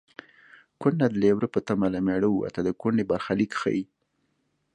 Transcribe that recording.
کونډه د لېوره په تمه له مېړه ووته د کونډې برخلیک ښيي